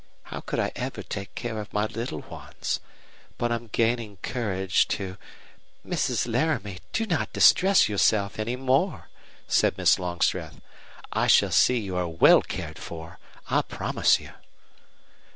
How could I ever take care of my little ones? But I'm gaining courage to " "Mrs. Laramie, do not distress yourself any more," said Miss Longstreth. "I shall see you are well cared for. I promise you."